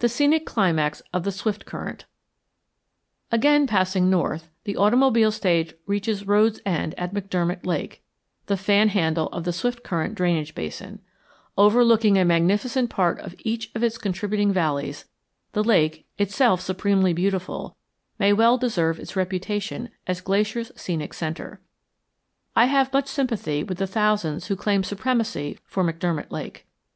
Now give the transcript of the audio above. THE SCENIC CLIMAX OF THE SWIFTCURRENT Again passing north, the automobile stage reaches road's end at McDermott Lake, the fan handle of the Swiftcurrent drainage basin. Overlooking a magnificent part of each of its contributing valleys, the lake, itself supremely beautiful, may well deserve its reputation as Glacier's scenic centre. I have much sympathy with the thousands who claim supremacy for McDermott Lake.